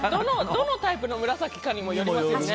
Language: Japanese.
どのタイプの紫かにもよりますね。